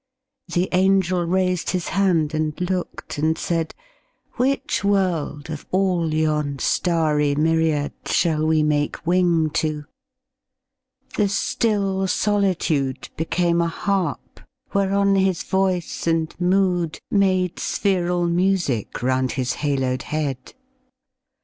The angel raised his hand and looked and said, "Which world, of all yon starry myriad Shall we make wing to?" The still solitude Became a harp whereon his voice and mood Made spheral music round his haloed head.